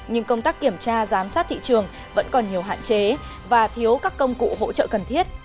nhưng công tác kiểm tra giám sát thị trường vẫn còn nhiều hạn chế và thiếu các công cụ hỗ trợ cần thiết